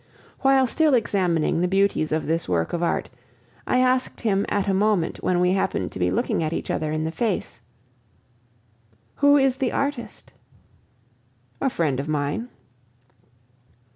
While still examining the beauties of this work of art, I asked him at a moment when we happened to be looking each other in the face: "Who is the artist?" "A friend of mine."